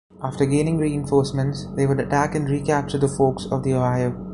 After gaining reinforcements, they would attack and recapture the Forks of the Ohio.